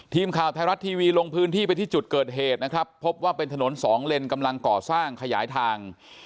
ทีมข่าวไทยรัฐทีวีลงพื้นที่ไปที่จุดเกิดเหตุนะครับพบว่าเป็นถนนสองเลนกำลังก่อสร้างขยายทาง